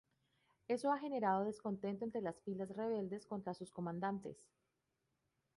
Eso ha generado descontento entre las filas rebeldes contra sus comandantes.